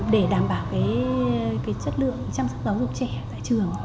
để đảm bảo chất lượng chăm sóc giáo viên